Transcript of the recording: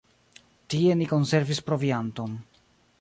Tie ni konservis provianton.